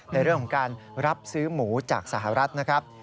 ในเรื่องของการรับซื้อหมูจากสหรัฐนะครับ